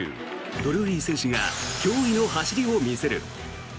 ドルーリー選手が驚異の走りを見せる。